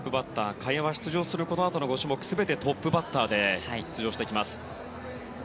萱は出場するこのあとの種目全てトップバッターで出場してきます。